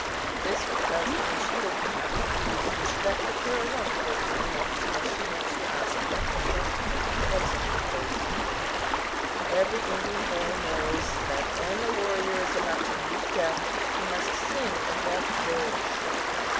This request Uncheedah could not refuse and she left the pair alone for a few minutes, while she went to ask Wacoota to execute Ohitika. Every Indian boy knows that, when a warrior is about to meet death, he must sing a death dirge.